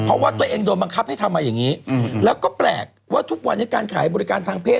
เพราะว่าตัวเองโดนบังคับให้ทำมาอย่างนี้แล้วก็แปลกว่าทุกวันนี้การขายบริการทางเพศ